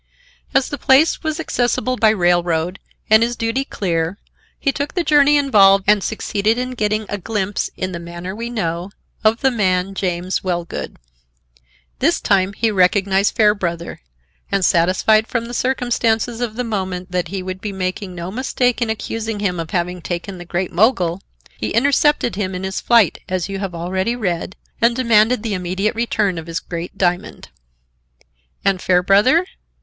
As the place was accessible by railroad and his duty clear, he took the journey involved and succeeded in getting a glimpse in the manner we know of the man James Wellgood. This time he recognized Fairbrother and, satisfied from the circumstances of the moment that he would be making no mistake in accusing him of having taken the Great Mogul, he intercepted him in his flight, as you have already read, and demanded the immediate return of his great diamond. And Fairbrother?